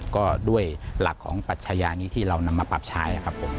ก็ด้วยหลักของปัชญานี้ที่เรานำมาปรับใช้ครับผม